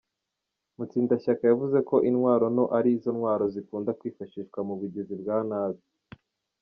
Mutsindashyaka yavuze ko intwaro nto ari zo ntwaro zikunda kwifashishwa mu bugizi bwa nabi.